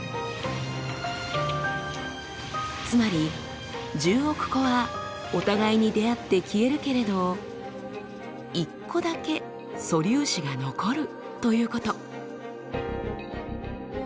つまり１０億個はお互いに出会って消えるけれど１個だけ素粒子が残るということ。